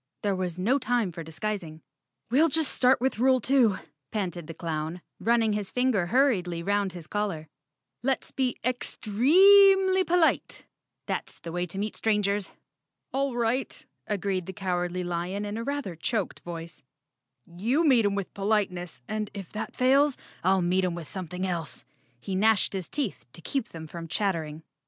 There was no time for dis¬ guising. "We'll just start with rule two," panted the clown, running his finger hurriedly 'round his collar. "Let's be ex—tre—eemly polite. That's the way to meet strangers." "All right," agreed the Cowardly Lion in a rather choked voice, "you meet 'em with politeness, and if that fails, I'll meet 'em with something else." He gnashed his teeth to keep them from chattering.